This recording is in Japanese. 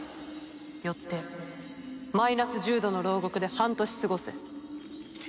よってマイナス１０度の牢獄で半年過ごせ。